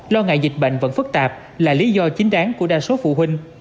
lo ngại dịch bệnh vẫn phức tạp là lý do chính đáng của đa số phụ huynh